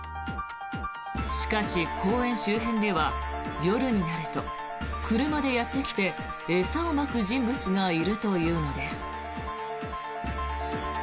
しかし、公園周辺では夜になると車でやってきて、餌をまく人物がいるというのです。